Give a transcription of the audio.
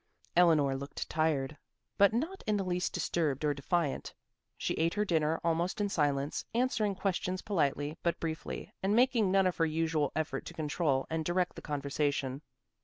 Eleanor looked tired, but not in the least disturbed or defiant. She ate her dinner almost in silence, answering questions politely but briefly and making none of her usual effort to control and direct the conversation.